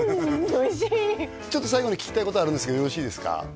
おいしいちょっと最後に聞きたいことあるんですけどよろしいですか？